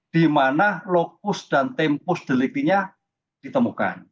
di mana lokus dan tempus delipinya ditemukan